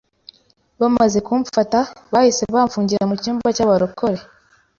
Bamaze kumfata bahise bamfungira mu cyumba cy’abarokore